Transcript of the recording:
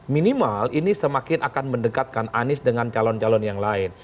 minimal ini semakin akan mendekatkan anies dengan calon calon yang lain